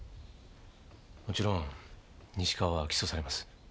もちろん西川は起訴されます。